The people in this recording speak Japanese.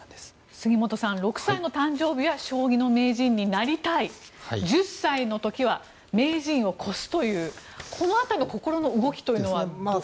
杉本さん、６歳の誕生日は将棋の名人になりたい１０歳の時は名人を超すというこの辺りの心の動きというのはどうなんでしょう？